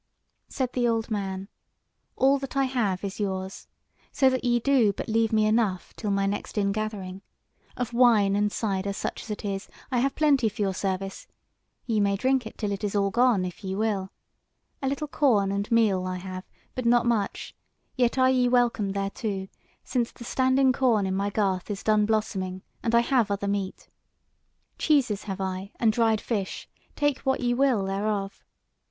Said the old man: "All that I have is yours, so that ye do but leave me enough till my next ingathering: of wine and cyder, such as it is, I have plenty for your service; ye may drink it till it is all gone, if ye will: a little corn and meal I have, but not much; yet are ye welcome thereto, since the standing corn in my garth is done blossoming, and I have other meat. Cheeses have I and dried fish; take what ye will thereof.